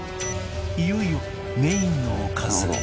いよいよメインのおかずへ